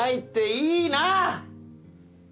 いいな！